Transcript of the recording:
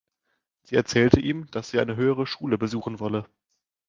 Sie erzählte ihm, dass sie eine höhere Schule besuchen wolle.